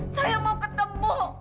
saya mau ketemu